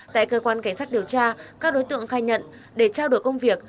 tại cơ quan cảnh sát điều tra các đối tượng khai nhận để trao đổi công việc